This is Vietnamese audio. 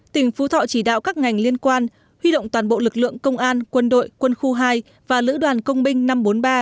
tỉnh phú thọ chỉ đạo các ngành liên quan huy động toàn bộ lực lượng công an quân đội quân khu hai và lữ đoàn công binh năm trăm bốn mươi ba